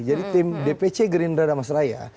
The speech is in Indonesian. jadi tim dpc gerindra damasraya